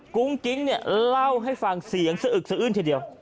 กุ้งกิ๊งเนี่ยเล่าให้ฟังเสียงสะอึกสะอื้นทีเดียว